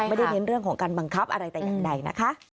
เน้นเรื่องของการบังคับอะไรแต่อย่างใดนะคะ